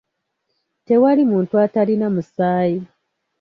Tewali muntu atalina musaayi.